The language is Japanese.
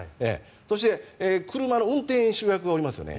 そして車の運転手役もいますよね。